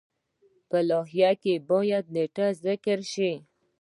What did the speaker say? په لایحه کې باید نیټه ذکر شي.